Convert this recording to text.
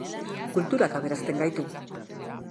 Kulturak aberasten gaitu.